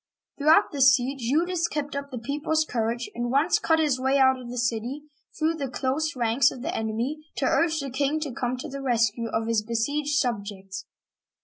Throughout this siege, Eudes kept up the people's cour age, and once cut his way out of the city, through the close ranks of the enemy, to urge the king to come to the rescue of his besieged subjects.